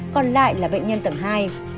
còn lại là bệnh nhân tầng hai và ba